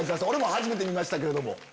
俺も初めて見ましたけれども。